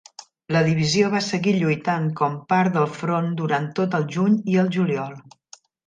La divisió va seguir lluitant com part del front durant tot el juny i el juliol.